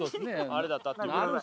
あれだったって事で。